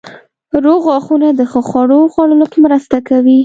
روغ غاښونه د ښه خوړو خوړلو کې مرسته کوي.